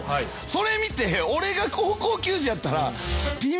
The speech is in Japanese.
それ見て俺が高校球児やったら。